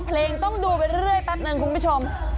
เพลงต้องดูไปเรื่อยแป๊บนึงคุณผู้ชม